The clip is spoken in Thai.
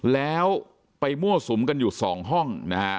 แล้วไปมั่วสุมกันอยู่๒ห้องนะฮะ